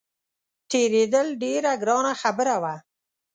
تېرېدل ډېره ګرانه خبره وه.